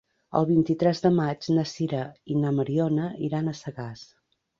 El vint-i-tres de maig na Sira i na Mariona iran a Sagàs.